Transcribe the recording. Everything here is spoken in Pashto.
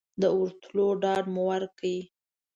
د ورتلو ډاډ مو ورکړ.